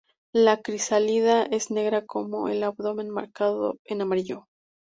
La crisálida es negra con el abdomen marcado en amarillo.